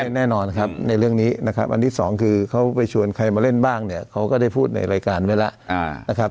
แน่นอนครับในเรื่องนี้นะครับอันที่สองคือเขาไปชวนใครมาเล่นบ้างเนี่ยเขาก็ได้พูดในรายการไว้แล้วนะครับ